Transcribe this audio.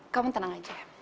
kamu tenang aja